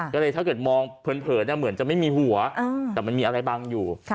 ก็เลยถ้าเกิดมองเผินเหมือนจะไม่มีหัวแต่มันมีอะไรบังอยู่